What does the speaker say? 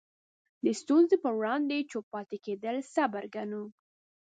د ستونزو په وړاندې چوپ پاتې کېدل صبر ګڼو.